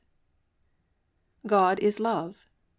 "God is Love."